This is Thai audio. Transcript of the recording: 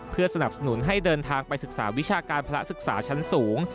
เพื่อสนับสนุนให้เดินทางไปศึกษาวิชาการพระศึกษาชั้นสูง